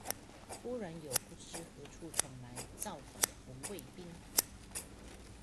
忽然有不知何處闖來造反的紅衛兵